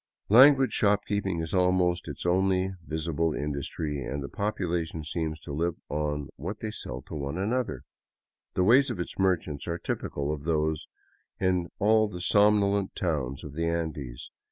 Languid shopkeeping is almost its only visible industry, and the population seems to live on what they sell one another. The ways of its merchants are typical of those in all the somnolent towns of the Andes.